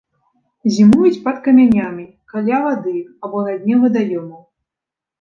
Зімуюць пад камянямі каля вады або на дне вадаёмаў.